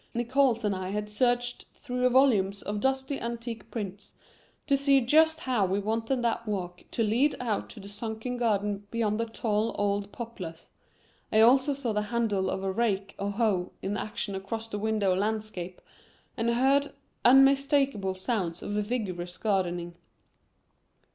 Nickols and I had searched through volumes of dusty antique prints to see just how we wanted that walk to lead out to the sunken garden beyond the tall old poplars. I also saw the handle of a rake or hoe in action across the window landscape and heard unmistakable sounds of vigorous gardening.